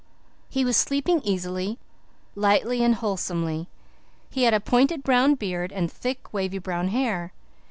He was sleeping easily, lightly, and wholesomely. He had a pointed brown beard and thick wavy brown hair.